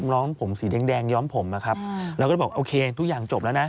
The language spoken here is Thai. ล้อมผมสีแดงย้อมผมนะครับแล้วก็บอกโอเคทุกอย่างจบแล้วนะ